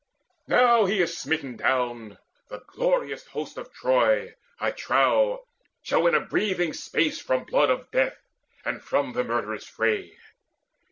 Now he is smitten down, the glorious hosts Of Troy, I trow, shall win a breathing space From blood of death and from the murderous fray.